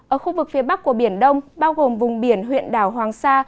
ở khu vực phía bắc của biển đông bao gồm vùng biển huyện đảo hoàng sa